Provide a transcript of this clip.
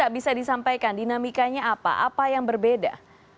bisa disampaikan dinamikanya apa apa yang berbeda